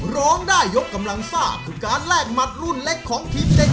ร้องได้ยกกำลังซ่าคือการแลกหมัดรุ่นเล็กของทีมเด็ก